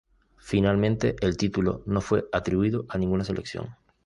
Finalmente, el título no fue atribuido a ninguna selección.